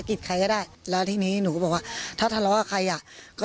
ใครก็ได้แล้วทีนี้หนูก็บอกว่าถ้าทะเลาะกับใครอ่ะก็